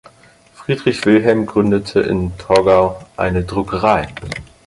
Friedrich Wilhelm gründete in Torgau eine Druckerei.